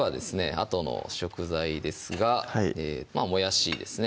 あとの食材ですがもやしですね